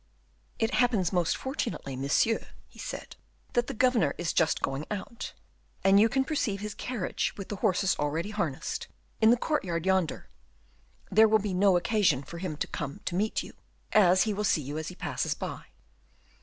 "It happens most fortunately, monsieur," he said, "that the governor is just going out, and you can perceive his carriage with the horses already harnessed, in the courtyard yonder; there will be no occasion for him to come to meet you, as he will see you as he passes by."